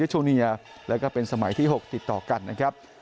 โจเนียแล้วก็เป็นสมัยที่๖ติดต่อกันนะครับ